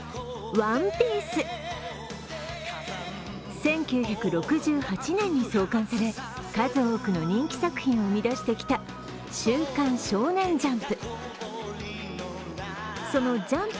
１９６８年に創刊され、数多くの人気作品を生み出してきた「週刊少年ジャンプ」。